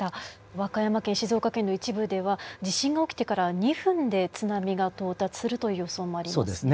和歌山県静岡県の一部では地震が起きてから２分で津波が到達するという予想もありますね。